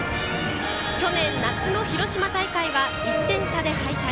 去年夏の広島大会は１点差で敗退。